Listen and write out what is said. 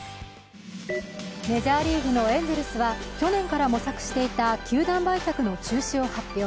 メジャーリーグのエンゼルスは去年から模索していた球団売却の中止を発表。